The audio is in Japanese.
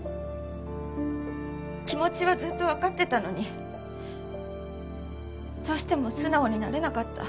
気持ちはずっとわかってたのにどうしても素直になれなかった。